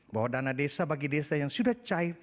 bahwa dana desa bagi desa yang sudah cair